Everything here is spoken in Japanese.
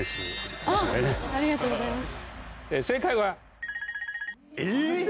ありがとうございます。